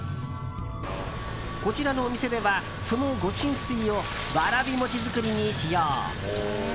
こちらのお店では、その御神水をわらび餅作りに使用。